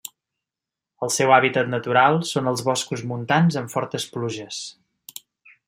El seu hàbitat natural són en els boscos montans amb fortes pluges.